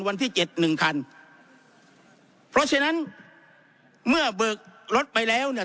วันที่เจ็ดหนึ่งคันเพราะฉะนั้นเมื่อเบิกรถไปแล้วเนี่ย